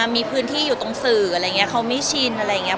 มีพื้นที่อยู่ตรงสื่ออะไรอย่างนี้เขาไม่ชินอะไรอย่างนี้